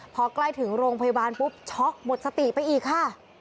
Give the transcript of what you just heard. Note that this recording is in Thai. พอใกล้ถึงโรงพยาบาลปุ๊บช็อกหมดสติไปอีกค่ะ